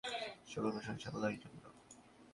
সকল প্রশংসা আল্লাহরই জন্য।